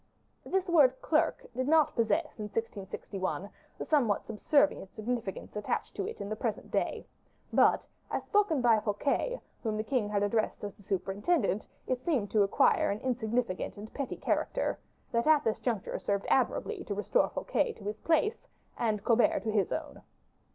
This word "clerk" did not possess, in 1661, the somewhat subservient signification attached to it in the present day; but, as spoken by Fouquet, whom the king had addressed as the superintendent, it seemed to acquire an insignificant and petty character, that at this juncture served admirably to restore Fouquet to his place, and Colbert to his own.